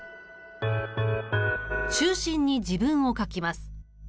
中心に自分を描きます。